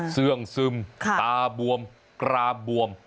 เสื้องซึมตาบวมกรามบวม